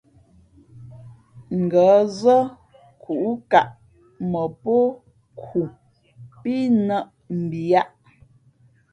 Ngα̌ zά kūʼkaʼ mα pō khu pí nάʼ mbiyāʼ.